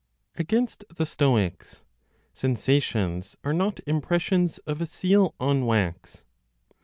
AGAINST THE STOICS, SENSATIONS ARE NOT IMPRESSIONS OF A SEAL ON WAX.